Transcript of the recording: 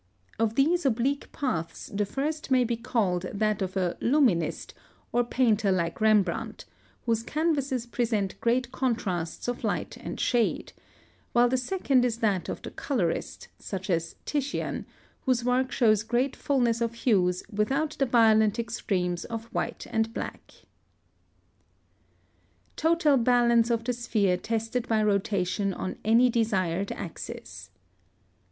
Of these two oblique paths the first may be called that of a Luminist, or painter like Rembrandt, whose canvases present great contrasts of light and shade, while the second is that of the Colorist, such as Titian, whose work shows great fulness of hues without the violent extremes of white and black. +Total balance of the sphere tested by rotation on any desired axis.